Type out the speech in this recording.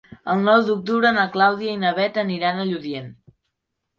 El nou d'octubre na Clàudia i na Bet aniran a Lludient.